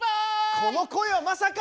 この声はまさか！